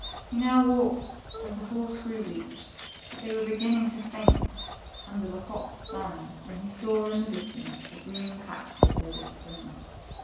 He now walked, as the horse grew weak, but they were beginning to faint under THE TWO PRINCES, 69 the hot sun, when he saw in the distance the green patch of a desert spring.